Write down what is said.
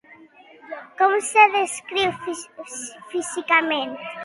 Com se'l descriu físicament?